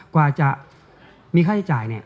กว่าจะมีค่าใช้จ่ายเนี่ย